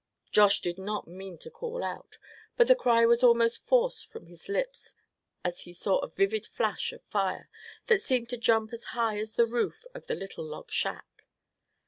Josh did not mean to call out, but the cry was almost forced from his lips as he saw a vivid flash of fire, that seemed to jump as high as the roof of the little log shack.